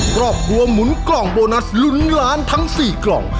ครอบครัวหมุนกล่องโบนัสลุ้นล้านทั้ง๔กล่อง